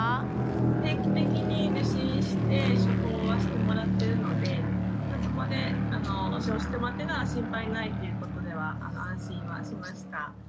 定期的に受診して処方はしてもらってるのでそこで処方してもらってるのは心配ないということでは安心はしました。